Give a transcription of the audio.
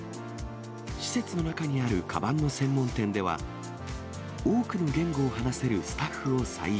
施設の中にあるかばんの専門店では、多くの言語を話せるスタッフを採用。